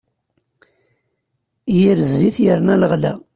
Yir zzit, yerna leɣla.